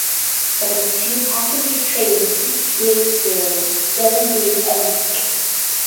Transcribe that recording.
There were two passenger trains each way daily, seven days a week.